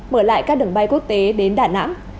mở lại các đường bay quốc tế đến đà nẵng